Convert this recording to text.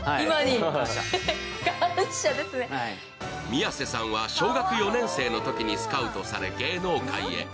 宮世さんは小学４年生のときにスカウトされ芸能界へ。